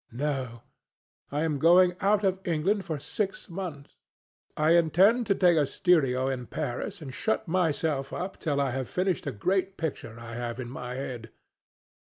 "No: I am going to be out of England for six months. I intend to take a studio in Paris and shut myself up till I have finished a great picture I have in my head.